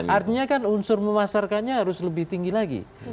artinya kan unsur memasarkannya harus lebih tinggi lagi